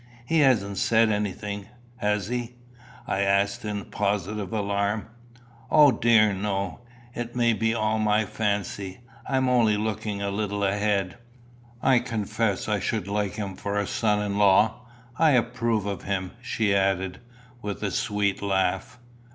"He hasn't said anything has he?" I asked in positive alarm. "O dear no. It may be all my fancy. I am only looking a little ahead. I confess I should like him for a son in law. I approve of him," she added, with a sweet laugh.